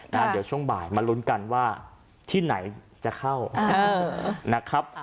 เดี๋ยวช่วงบ่ายมาลุ้นกันว่าที่ไหนจะเข้านะครับ